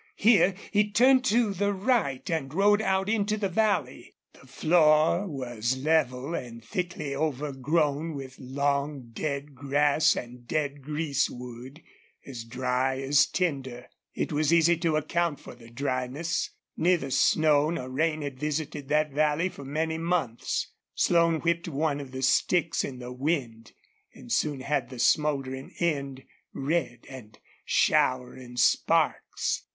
Here he turned to the right and rode out into the valley. The floor was level and thickly overgrown with long, dead grass and dead greasewood, as dry as tinder. It was easy to account for the dryness; neither snow nor rain had visited that valley for many months. Slone whipped one of the sticks in the wind and soon had the smoldering end red and showering sparks.